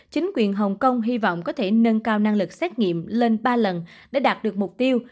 chính quyền hồng kông hy vọng có thể nâng cao năng lực xét nghiệm lên ba lần để đạt được mục tiêu